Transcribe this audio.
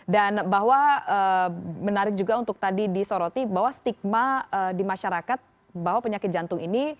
dan bahwa menarik juga untuk tadi di soroti bahwa stigma di masyarakat bahwa penyakit jantung ini